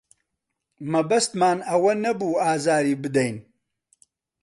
مەبەستمان ئەوە نەبوو ئازاری بدەین.